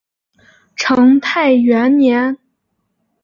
成泰元年。